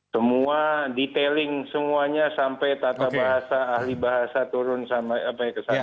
semua detailing semuanya sampai tata bahasa ahli bahasa turun sampai ke sana